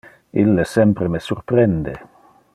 Ille sempre me surprende.